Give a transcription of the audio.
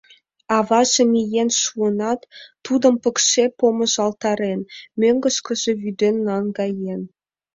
Аваже миен шуынат, тудым пыкше помыжалтарен, мӧҥгышкыжӧ вӱден наҥгаен.